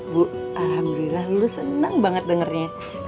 bu alhamdulillah lu senang banget dengarnya